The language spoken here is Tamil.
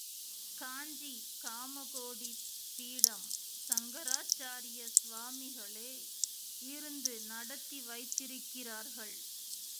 காஞ்சி காமகோடி பீடம் சங்கராச்சார்ய சுவாமிகளே இருந்து நடத்தி வைத்திருக்கிறார்கள்.